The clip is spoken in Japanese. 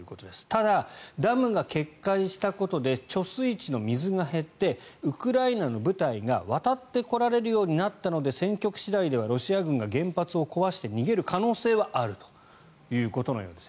ただ、ダムが決壊したことで貯水池の水が減ってウクライナの部隊が渡ってこられるようになったので戦局次第ではロシア軍が原発を壊して逃げる可能性はあるということのようです。